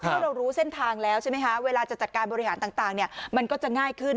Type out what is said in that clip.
เพราะเรารู้เส้นทางแล้วใช่ไหมคะเวลาจะจัดการบริหารต่างมันก็จะง่ายขึ้น